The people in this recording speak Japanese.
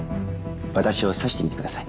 私を刺してみてください。